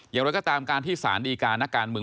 อย่างไรก็ตามการที่สารดีการนักการเมือง